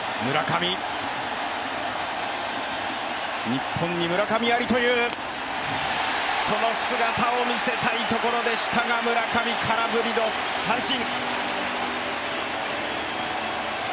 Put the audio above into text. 日本に村上ありというその姿を見せたいところでしたが村上、空振りの三振。